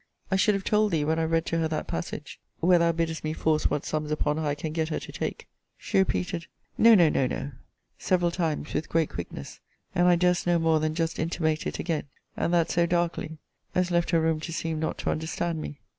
I should have told thee, when I read to her that passage, where thou biddest me force what sums upon her I can get her to take she repeated, No, no, no, no! several times with great quickness; and I durst no more than just intimate it again and that so darkly, as left her room to seem not to understand me.